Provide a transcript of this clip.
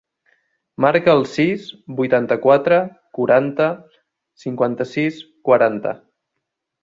Marca el sis, vuitanta-quatre, quaranta, cinquanta-sis, quaranta.